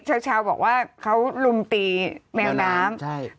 เมื่อกี้ชาวบอกว่าเขารุมตีแม่อน้ำ